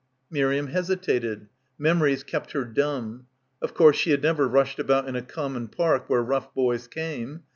Miriam hesitated. Memories kept her dumb. Of course she had never rushed about in a com mon park where rough boys came.